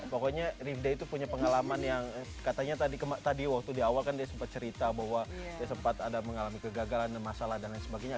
pokoknya rifday itu punya pengalaman yang katanya tadi waktu di awal kan dia sempat cerita bahwa dia sempat ada mengalami kegagalan dan masalah dan lain sebagainya